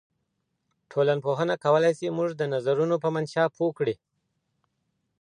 ټولنپوهنه کولای سي موږ د نظرونو په منشأ پوه کړي.